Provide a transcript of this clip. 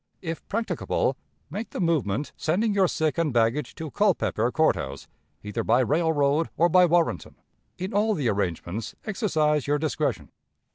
If practicable, make the movement, sending your sick and baggage to Culpepper Court House, either by railroad or by Warrenton. In all the arrangements, exercise your discretion.'